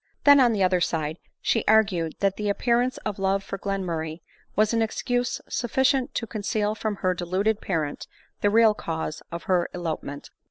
Then, on the other side, she argued that the appearance of love for Glenmurray was an excuse sufficient to conceal from her deluded parent the real cause of her elopement.